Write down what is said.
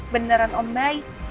beneran om baik